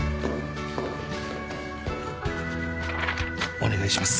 お願いします。